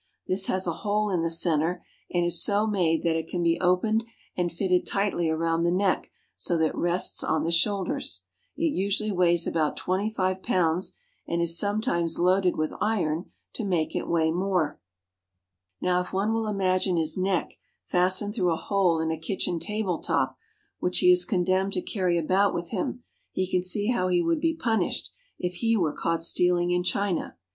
This has a hole in the center and is so made that it can be opened and fitted tightly around the neck so that it rests on the shoulders. It usually weighs about twenty five pounds, and is sometimes loaded with iron to make it weigh more. 132 THE GOVERNMENT AND THE SCHOOLS — as big as the top of a square kitchen table." Now if one will imagine his neck fastened through a hole in a kitchen table top, which he is condemned to carry about with him, he can see how he would be punished if he were caught stealing in China.